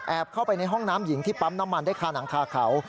เข้าไปในห้องน้ำหญิงที่ปั๊มน้ำมันได้คาหนังคาเขา